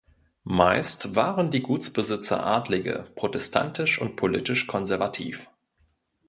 Meist waren die Gutsbesitzer Adlige, protestantisch und politisch konservativ.